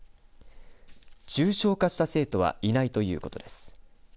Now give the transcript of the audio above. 重症化した生徒はいないということです。